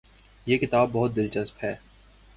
یہ کتاب بہت دلچسپ ہے